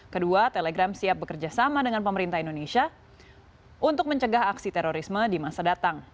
kedua telegram siap bekerja sama dengan pemerintah indonesia untuk mencegah aksi terorisme di masa datang